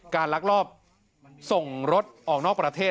ลักลอบส่งรถออกนอกประเทศ